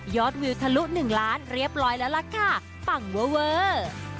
ยอดวิวทะลุ๑ล้านเรียบร้อยแล้วล่ะค่ะฝั่งเวอร์